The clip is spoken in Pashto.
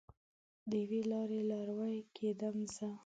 د یوې لارې لاروی کیدم زه